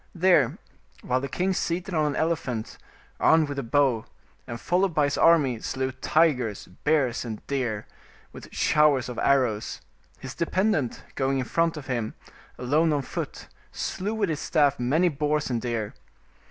There, while the king seated on an elephant, armed with a bow, and followed by his army, slew tigers, bears, and deer, with showers of arrows, his dependent, going in front of him, alone on foot, slew with his staff many boars and deer.